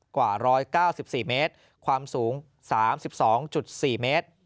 กว่า๑๙๔เมตรความสูง๓๒๔เมตร